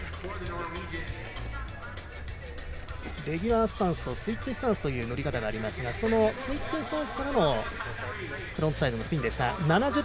レギュラースタンスとスイッチスタンスという乗り方がありますがスイッチスタンスからのフロントサイドのスピンでした。